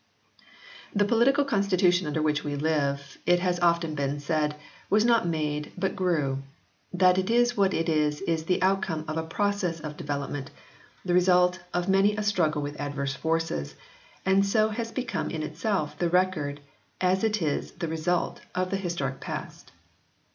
The political constitution under which we live, it has often been said, was not made but grew, that it is what it is as the outcome of a process of develop ment, the result of many a struggle with adverse forces, and so has become in itself the record as it is the result of the historic past.